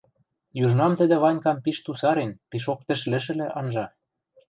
южнам тӹдӹ Ванькам пиш тусарен, пишок тӹшлӹшӹлӓ анжа.